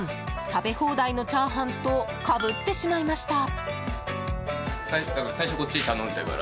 食べ放題のチャーハンとかぶってしまいました。